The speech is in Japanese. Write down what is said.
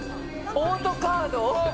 オートカード？